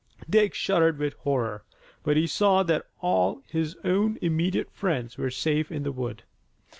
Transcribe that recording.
Dick shuddered with horror, but he saw that all his own immediate friends were safe in the wood.